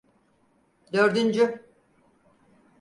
Dördüncü.